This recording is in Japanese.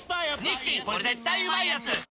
「日清これ絶対うまいやつ」